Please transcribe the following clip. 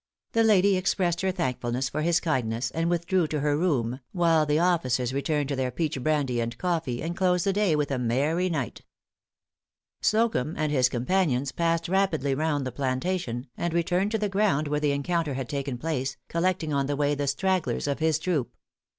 The lady expressed her thankfulness for his kindness, and withdrew to her room, while the officers returned to their peach brandy and coffee, and closed the day with a merry night. Slocumb and his companions passed rapidly round the plantation, and returned to the ground where the encounter had taken place, collecting on the way the stragglers of his troop.